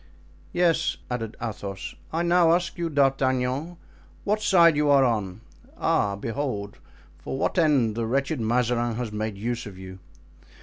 "Yes," added Athos, "I now ask you, D'Artagnan, what side you are on? Ah! behold for what end the wretched Mazarin has made use of you.